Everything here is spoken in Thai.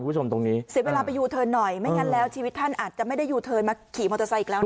คุณผู้ชมตรงนี้เสียเวลาไปยูเทิร์นหน่อยไม่งั้นแล้วชีวิตท่านอาจจะไม่ได้ยูเทิร์นมาขี่มอเตอร์ไซค์อีกแล้วนะ